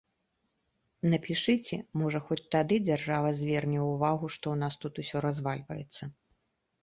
Напішыце, можа хоць тады дзяржава зверне ўвагу, што ў нас тут усё развальваецца.